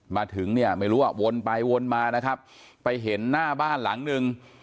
มาถึงเนี่ยไม่รู้ว่าวนไปวนมานะครับไปเห็นหน้าบ้านหลังนึง